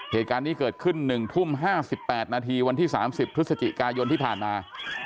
เหตุการณ์นี้เกิดขึ้น๑ทุ่ม๕๘นาทีวันที่๓๐พฤศจิกายนที่ผ่านมา